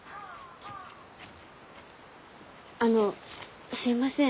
あのすみません。